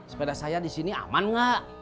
sepeda saya di sini aman nggak